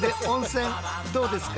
どうですか？